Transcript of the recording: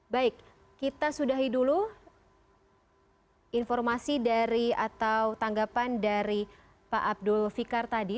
baik kita sudahi dulu informasi dari atau tanggapan dari pak abdul fikar tadi